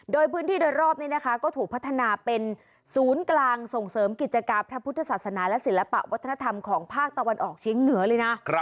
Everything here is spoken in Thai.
โดยพื้นที่โดยรอบนี้นะคะก็ถูกพัฒนาเป็นศูนย์กลางส่งเสริมกิจการพระพุทธศาสนาและศิลปะวัฒนธรรมของภาคตะวันออกเชียงเหนือเลยนะ